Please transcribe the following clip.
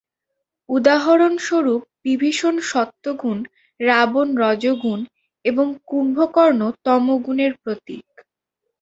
উদাহরণস্বরূপ বিভীষণ সত্ত্বগুণ, রাবণ রজোগুণ এবং কুম্ভকর্ণ তমোগুণের প্রতীক।